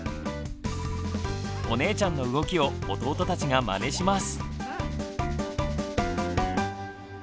お姉ちゃんの動きを弟たちがまねします。